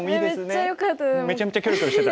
ねえめっちゃよかった。